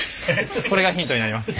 これがヒントになります。